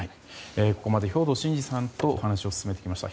ここまで兵頭慎治さんとお話を進めてきました。